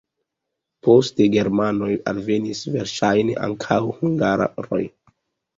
Poste germanoj alvenis, verŝajne ankaŭ hungaroj.